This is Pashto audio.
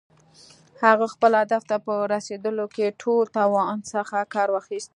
هغه خپل هدف ته په رسېدلو کې له ټول توان څخه کار واخيست.